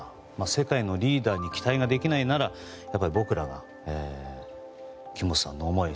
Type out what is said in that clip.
世界のリーダーに期待ができないなら僕らが木本さんの思い